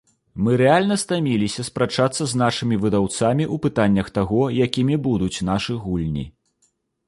Мы рэальна стаміліся спрачацца з нашымі выдаўцамі ў пытаннях таго, якімі будуць нашы гульні.